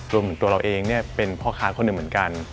รวมถึงตัวเราเองเป็นพ่อค้าคนหนึ่งเหมือนกัน